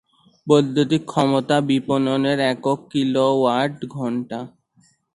বৈদ্যুতিক ক্ষমতা বিপণনের একক কিলো-ওয়াট ঘণ্টা।